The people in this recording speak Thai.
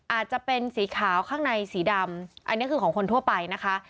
อาจจะเป็นสีขาวข้างในสีดำอันนี้คือของคนทั่วไปนะคะ